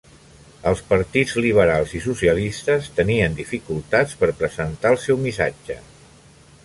Els partits liberals i socialistes tenien dificultats per presentar el seu missatge.